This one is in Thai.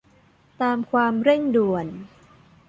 ตามความเร่งด่วน